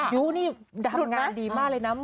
ยูนี่ทำงานดีมากเลยนะ